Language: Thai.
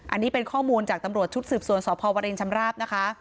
อันนี้เป็นข้อมูลจากตำรวจชุดสืบสวนสพวรินชำราบนะคะ